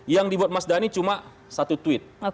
yang dibuat mas dhani cuma satu tweet